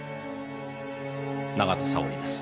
永田沙織です。